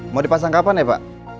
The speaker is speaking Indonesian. mau dipasang kapan ya pak